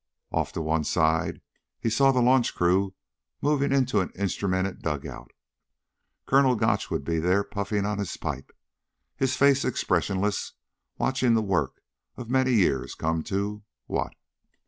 Off to one side he saw the launch crew moving into an instrumented dugout. Colonel Gotch would be there, puffing on his pipe, his face expressionless, watching the work of many years come to ... what?